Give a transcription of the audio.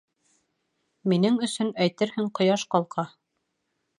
Минең өсөн, әйтерһең, ҡояш ҡалҡа.